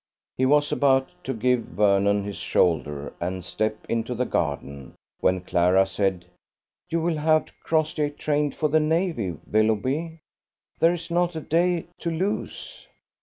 He was about to give Vernon his shoulder and step into the garden, when Clara said, "You will have Crossjay trained for the navy, Willoughby? There is not a day to lose."